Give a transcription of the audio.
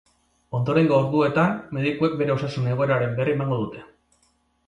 Ondorengo orduetan medikuek bere osasun egoeraren berri emango dute.